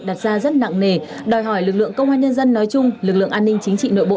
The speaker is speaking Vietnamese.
đặt ra rất nặng nề đòi hỏi lực lượng công an nhân dân nói chung lực lượng an ninh chính trị nội bộ